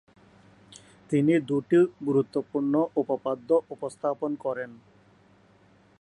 তিনি দুটি গুরুত্বপূর্ণ উপপাদ্য উপস্থাপন করেন।